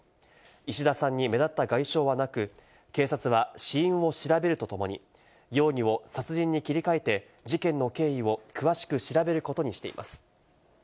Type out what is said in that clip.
石田さんに目立った外傷はなく、警察は死因を調べるとともに、容疑を殺人に切り替えて、事件の経緯を詳しく調べることにしています。